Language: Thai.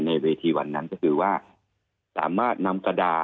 ในวิธีที่นั้นนั่นคือว่า